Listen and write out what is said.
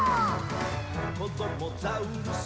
「こどもザウルス